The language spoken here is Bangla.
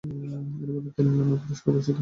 এর মধ্যে তিনি নানান পুরস্কারে ভূষিত হয়েছেন।